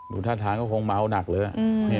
ท่าทางก็คงเมาหนักเลย